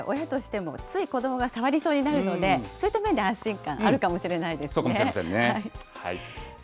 確かに親としても、つい子どもが触りそうになるので、そういった面で安心感あるかもしれませんね。